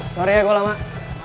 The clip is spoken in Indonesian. sori ya kaulah emak